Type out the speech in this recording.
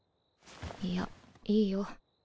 いやいいよ。